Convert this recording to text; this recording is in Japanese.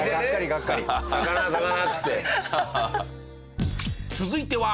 「魚魚」っつって。